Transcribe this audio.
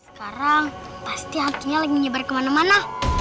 sekarang pasti apinya lagi menyebar kemana mana